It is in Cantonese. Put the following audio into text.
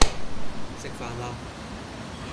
食飯啦